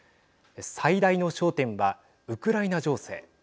最大の焦点は、ウクライナ情勢。